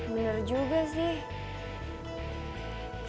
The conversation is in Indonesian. bener juga sih